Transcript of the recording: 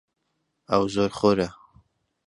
ئەو زۆرخۆرە.